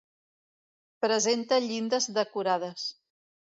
Presenta llindes decorades.